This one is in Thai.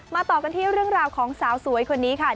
ต่อกันที่เรื่องราวของสาวสวยคนนี้ค่ะ